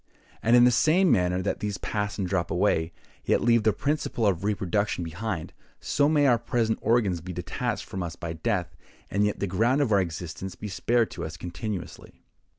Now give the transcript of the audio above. And in the same manner that these pass and drop away, yet leave the principle of reproduction behind, so may our present organs be detached from us by death, and yet the ground of our existence be spared to us continuously."